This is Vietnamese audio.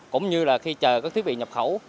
cũng như là khi chờ các thiết bị nhập khẩu